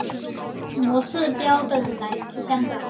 模式标本来自香港。